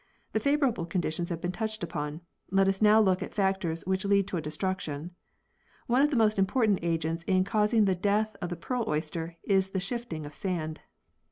The favourable conditions have been touched upon ; let us now look at the factors which lead to destruction. One of the most important agents in causing the death of the pearl oysters is the shifting of sand.